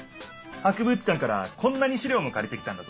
博物館からこんなにしりょうもかりてきたんだぞ。